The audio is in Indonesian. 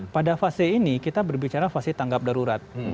pada fase ini kita berbicara fase tanggap darurat